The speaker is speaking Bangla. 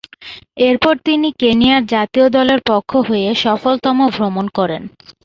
এরপর তিনি কেনিয়ায় জাতীয় দলের পক্ষ হয়ে সফলতম ভ্রমণ করেন।